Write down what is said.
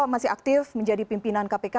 masih aktif menjadi pimpinan kpk